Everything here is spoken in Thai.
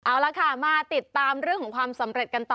เอาละค่ะมาติดตามเรื่องของความสำเร็จกันต่อ